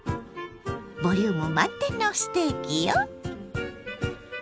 ボリューム満点のステーキよ。